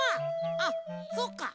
あっそっか。